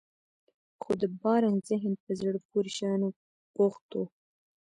خو د بارنس ذهن په زړه پورې شيانو بوخت و.